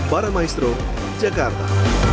para maestro jakarta